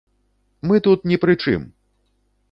Мы тут ні пры чым!